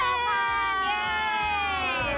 เข้ามาเย้